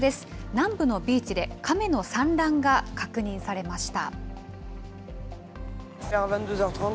南部のビーチで、カメの産卵が確認されました。